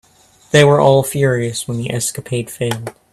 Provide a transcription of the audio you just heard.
They were all furious when the escapade failed.